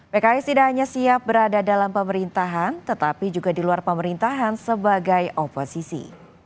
pks tidak hanya siap berada dalam pemerintahan tetapi juga di luar pemerintahan sebagai oposisi